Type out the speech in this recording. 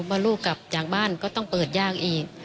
พอลูกกลับจากบ้านก็ต้องเปิดย่างอีก